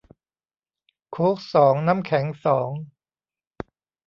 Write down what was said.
โค้กสอง น้ำแข็งสอง